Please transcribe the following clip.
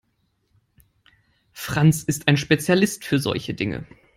Franz ist ein Spezialist für solche Dinge.